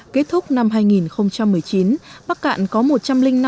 kết thúc năm hai nghìn một mươi chín bắc cạn có một trăm linh năm